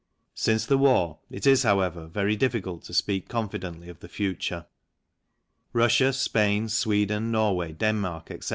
Since the war it is, however, very difficult to speak confidently of the future. Russia, Spain, Sweden, Norway, Denmark, etc.